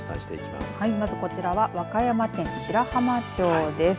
まずこちらは和歌山県白浜町です。